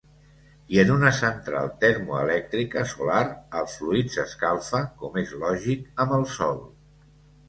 I en una central termoelèctrica solar el fluid s'escalfa, com és lògic amb el sol.